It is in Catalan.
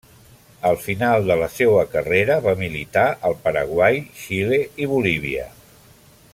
Al final de la seua carrera va militar al Paraguai, Xile i Bolívia.